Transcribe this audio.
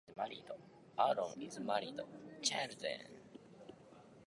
Aron is married and has three children.